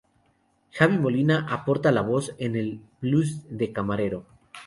Javi Molina aporta la voz en "El blues del camarero".